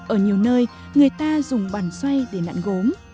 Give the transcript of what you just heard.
ở nhiều nơi người ta dùng bàn xoay để nặn gốm